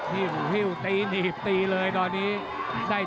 พี่หูพี่หูตีหนีบตีเลยตอนนี้